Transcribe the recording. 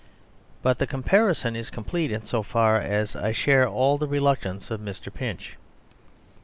But the comparison is complete in so far as I share all the reluctance of Mr. Pinch.